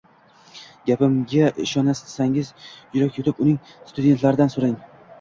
Gapimga ishonmasangiz, yurak yutib, uning studentlaridan so‘rang.